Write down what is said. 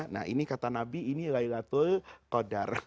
nah ini kata nabi ini laylatul qadar